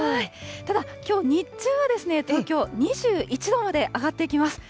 ただ、きょう日中は東京、２１度まで上がっていきます。